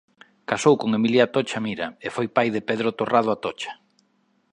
Casou con Emilia Atocha Mira e foi pai de Pedro Torrado Atocha.